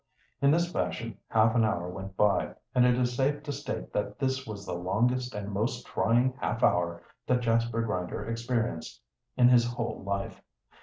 In this fashion half an hour went by, and it is safe to state that this was the longest and most trying half hour that Jasper Grinder experienced in his whole life.